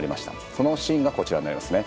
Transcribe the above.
そのシーンがこちらになりますね。